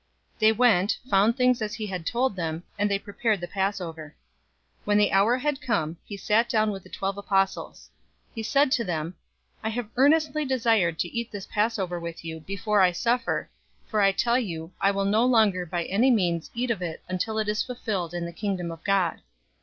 022:013 They went, found things as he had told them, and they prepared the Passover. 022:014 When the hour had come, he sat down with the twelve apostles. 022:015 He said to them, "I have earnestly desired to eat this Passover with you before I suffer, 022:016 for I tell you, I will no longer by any means eat of it until it is fulfilled in the Kingdom of God."